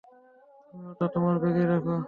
তুমি ওটা তোমার ব্যাগেই রাখো?